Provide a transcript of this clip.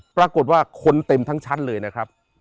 ปรากฏว่าคนเต็มทั้งชั้นเลยนะครับ